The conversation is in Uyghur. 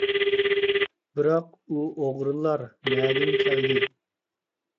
بىراق بۇ ئوغرىلار نەدىن كەلدى؟ !